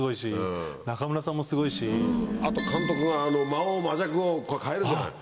あと監督が間尺を変えるじゃない？